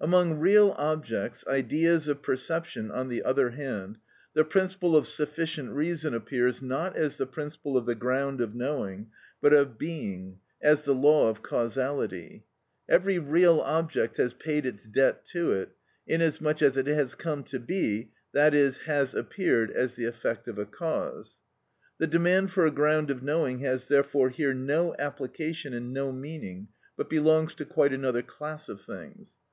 Among real objects, ideas of perception, on the other hand, the principle of sufficient reason appears not as the principle of the ground of knowing, but of being, as the law of causality: every real object has paid its debt to it, inasmuch as it has come to be, i.e., has appeared as the effect of a cause. The demand for a ground of knowing has therefore here no application and no meaning, but belongs to quite another class of things.